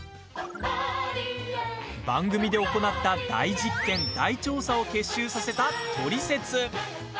番組で行った大実験、大調査を結集させたトリセツ。